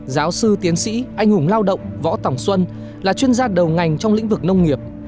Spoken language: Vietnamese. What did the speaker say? giáo sư tiến sĩ anh hùng lao động võ tổng xuân là chuyên gia đầu ngành trong lĩnh vực nông nghiệp